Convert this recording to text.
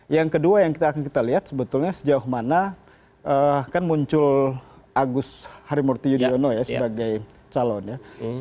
yang kedua yang akan kita lihat sebetulnya sejauh mana kan muncul agus harimurti yudhoyono ya sebagai calon ya